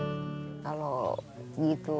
hai kalau gitu